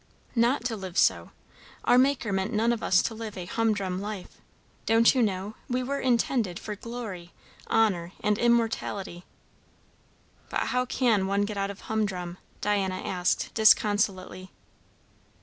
"Not to live so. Our Maker meant none of us to live a humdrum life; don't you know, we were intended for 'glory, honour, and immortality'?" "How can one get out of humdrum?" Diana asked disconsolately.